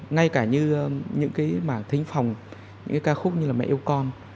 ngay cả như những cái mảng thính phòng những cái ca khúc như là mẹ yêu con